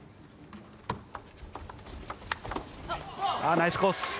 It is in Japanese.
ナイスコース！